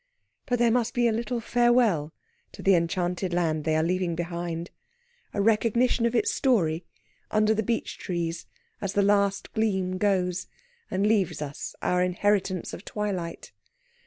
But there must be a little farewell to the enchanted land they are leaving behind a recognition of its story, under the beech trees as the last gleam goes, and leaves us our inheritance of twilight.